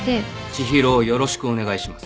知博をよろしくお願いします